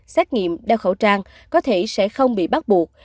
xét nghiệm đeo khẩu trang có thể sẽ không bị bắt buộc